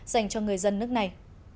dành cho người dân nước này